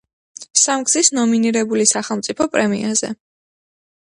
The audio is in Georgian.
სამგზის ნომინირებული სახელმწიფო პრემიაზე.